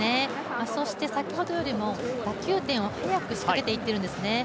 先ほどよりも打球点を速く仕掛けていっているんですね。